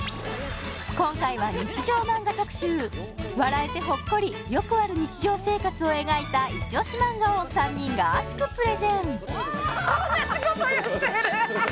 今回は日常マンガ特集笑えてほっこりよくある日常生活を描いたイチオシマンガを３人が熱くプレゼン